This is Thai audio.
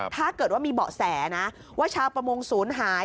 ถ้าเกิดว่ามีเบาะแสนะว่าชาวประมงศูนย์หาย